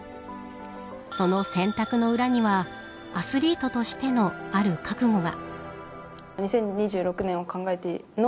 その選択の裏にはアスリートとしてのある覚悟が。